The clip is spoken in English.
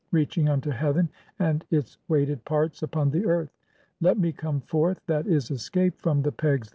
[reaching] unto heaven, and its weighted parts "upon the earth. Let me come forth (7. <?., escape) from the "pegs